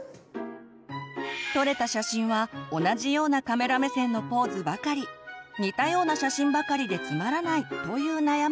撮れた写真は同じようなカメラ目線のポーズばかり似たような写真ばかりでつまらないという悩みも。